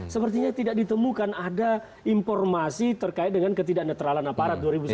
sepertinya tidak ditemukan ada informasi terkait dengan ketidak netralan aparat dua ribu sembilan belas